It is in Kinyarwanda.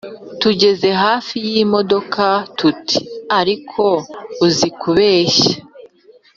Tugeze hafi y' imodoka tuti:" Ariko uzi kubeshya!!!"